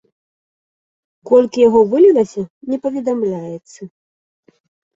Колькі яго вылілася, не паведамляецца.